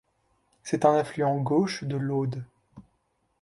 C’est un affluent gauche de l'Aude.